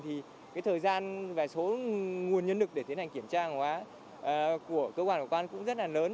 thì thời gian và số nguồn nhân lực để tiến hành kiểm tra hàng hóa của cơ quan quản quán cũng rất là lớn